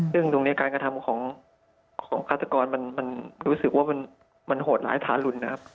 ซึ่งตรงนี้การกระทำของฆาตกรมันรู้สึกว่ามันโหดร้ายทารุณนะครับ